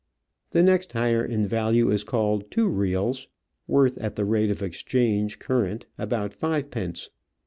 The next higher in value is called two reals, worth at the rate of exchange current about fivepence.